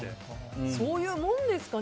そういうもんですかね。